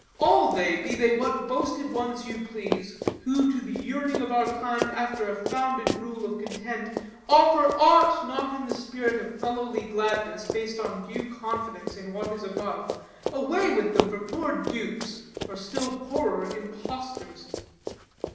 All they, be they what boasted ones you please, who, to the yearning of our kind after a founded rule of content, offer aught not in the spirit of fellowly gladness based on due confidence in what is above, away with them for poor dupes, or still poorer impostors."